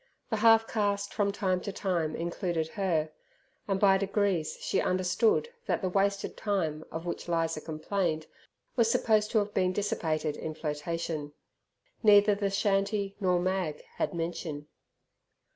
The half caste from time to time included her, and by degrees she understood that the wasted time of which Lizer complained was supposed to have been dissipated in flirtation. Neither the shanty nor Mag had mention.